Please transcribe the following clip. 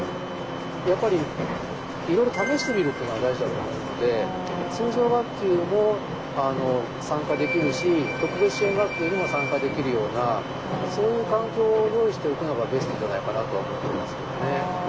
やっぱりいろいろ試してみるっていうのが大事だと思うので通常学級も参加できるし特別支援学級にも参加できるようなそういう環境を用意しておくのがベストじゃないかなとは思ってますけどね。